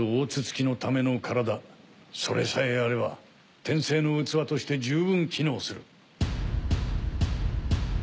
木のための体それさえあれば転生の器として十分機能する。